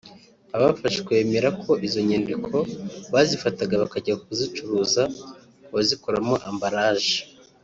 Abafashwe bemera ko izo nyandiko bazifataga bakajya kuzicuruza ku bazikoramo ambalaje